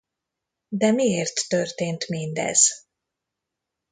De miért történt mindez?